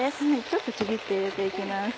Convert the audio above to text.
ちょっとちぎって入れて行きます。